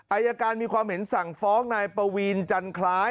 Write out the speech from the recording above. อายการมีความเห็นสั่งฟ้องนายปวีนจันคล้าย